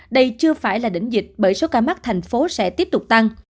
đây chưa phải là đỉnh dịch bởi số ca mắc thành phố sẽ tiếp tục tăng